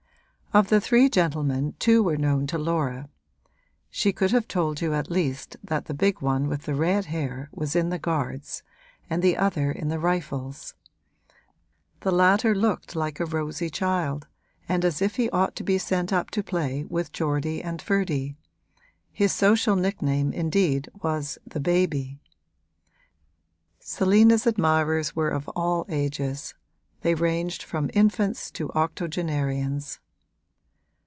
Of the three gentlemen two were known to Laura; she could have told you at least that the big one with the red hair was in the Guards and the other in the Rifles; the latter looked like a rosy child and as if he ought to be sent up to play with Geordie and Ferdy: his social nickname indeed was the Baby. Selina's admirers were of all ages they ranged from infants to octogenarians.